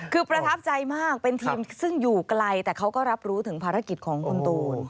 คือประทับใจมากเป็นทีมซึ่งอยู่ไกลแต่เขาก็รับรู้ถึงภารกิจของคุณตูน